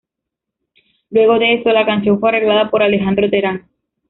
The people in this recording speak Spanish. Luego de esto, la canción fue arreglada por Alejandro Terán.